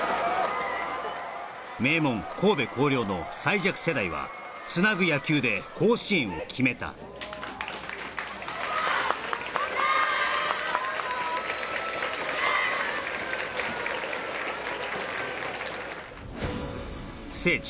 名門神戸弘陵の最弱世代はつなぐ野球で甲子園を決めた聖地